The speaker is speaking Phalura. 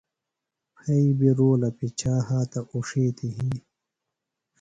پھئیۡ بیۡ رُولہ پِچھا ہات اُڇِھیتیۡ ہنیۡ